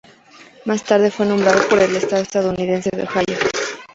Más tarde fue nombrado por el estado estadounidense de Ohio.